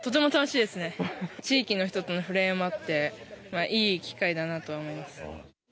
地域の人との触れ合いもあっていい機会だなと思います。